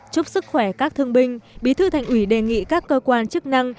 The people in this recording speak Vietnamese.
chúc sức khỏe các thương binh bí thư thành ủy đề nghị các cơ quan chức năng